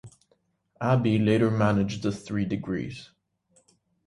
Abbey later managed The Three Degrees.